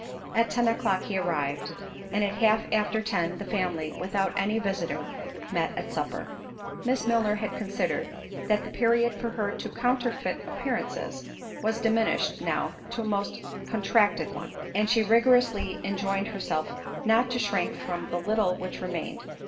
At ten o'clock he arrived; and at half after ten the family, without any visitor, met at supper. Miss Milner had considered, that the period for her to counterfeit appearances, was diminished now to a most contracted one; and she rigorously enjoined herself not to shrink from the little which remained.